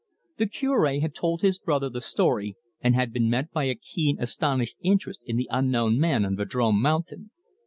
The Cure had told his brother the story, and had been met by a keen, astonished interest in the unknown man on Vadrome Mountain.